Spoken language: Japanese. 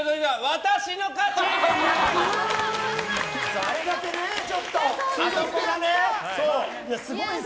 私の勝ち！